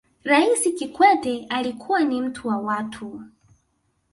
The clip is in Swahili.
raisi kikwete alikuwa ni mtu wa watu